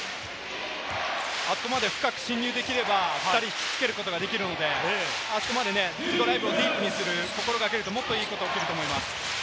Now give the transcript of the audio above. あくまで深く進入できれば２人引き付けることができるので、そこまでドライブをするのを心掛けると、もっといいことが起きると思います。